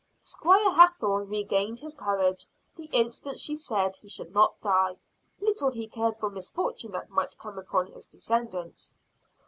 Squire Hathorne regained his courage the instant she said he should not die, little he cared for misfortunes that might come upon his descendants.